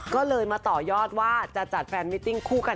ก็เลยมาต่อยอดว่าจะจัดแฟนมิติ้งคู่กัน